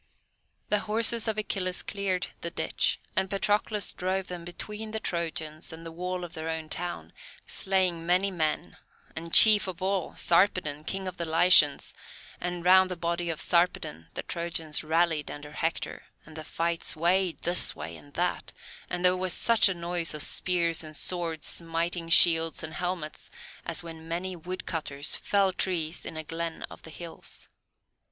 The horses of Achilles cleared the ditch, and Patroclus drove them between the Trojans and the wall of their own town, slaying many men, and, chief of all, Sarpedon, king of the Lycians; and round the body of Sarpedon the Trojans rallied under Hector, and the fight swayed this way and that, and there was such a noise of spears and swords smiting shields and helmets as when many woodcutters fell trees in a glen of the hills.